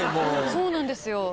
そうなんですよ。